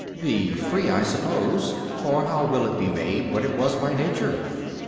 B. The free I suppose: for how will it be made what it was by nature?